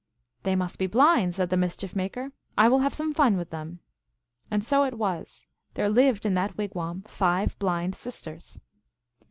" They must be blind," said the Mischief Maker. " I will have some fun with them." And so it was. There lived in that wigwam five blind sisters.